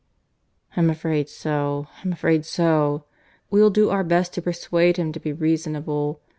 "I'm afraid so: I'm afraid so. We'll do our best here to persuade him to be reasonable.